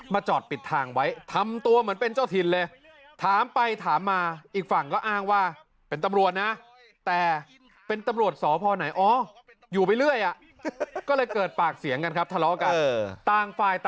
จอดปิดทางไว้ทำตัวเหมือนเป็นเจ้าถิ่นเลย